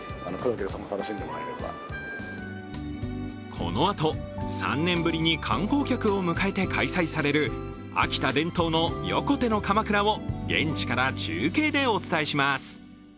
このあと、３年ぶりに観光客を迎えて開催される秋田伝統の横手のかまくらを現地から中継でお伝えします。